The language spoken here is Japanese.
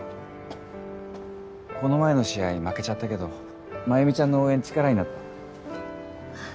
この前の試合負けちゃったけど繭美ちゃんの応援力になった。